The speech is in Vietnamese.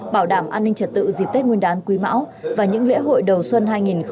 bảo đảm an ninh trật tự dịp tết nguyên đán quý mão và những lễ hội đầu xuân hai nghìn hai mươi